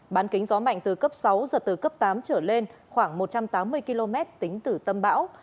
bán kính gió mạnh từ cấp sáu giật từ cấp tám trở lên khoảng một trăm tám mươi km tính từ tâm bão